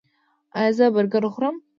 ایا زه برګر وخورم؟